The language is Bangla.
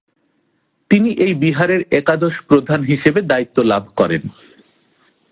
তিনি এই বিহারের একাদশ প্রধান হিসেবে দায়িত্ব লাভ করেন।